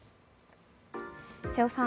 瀬尾さん